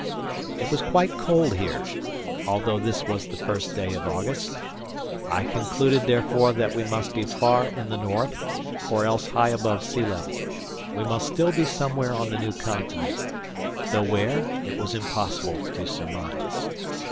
It was quite cold here, although this was the first day of August. I concluded therefore that we must be far in the north, or else high above sea level. We must still be somewhere on the New Continent; though where, it was impossible to surmise.